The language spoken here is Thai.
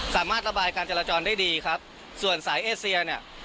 สามารถระบายการจราจรได้ดีครับส่วนสายเอเซียเนี่ย